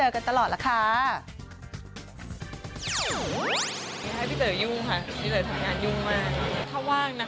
ก็โสดทุกคนนั้น